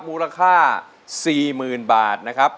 มูลค่า๔๐๐๐บาทนะครับ